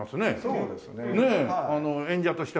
そうです。